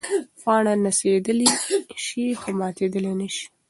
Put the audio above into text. پاڼه نڅېدلی شي خو ماتېدلی نه شي.